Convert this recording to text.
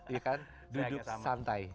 iya kan duduk santai